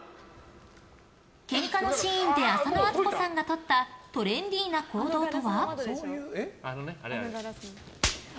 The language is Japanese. ケンカのシーンで浅野温子さんがとったトレンディーな行動とは？